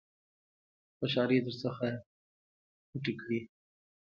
خوشالۍ در څخه پټې کړي .